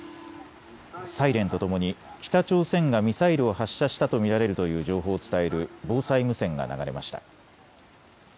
サイレンとともに北朝鮮がミサイルを発射したと見られるという情報を伝える防災無線が流れました。